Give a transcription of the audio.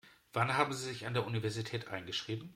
Wann haben Sie sich an der Universität eingeschrieben?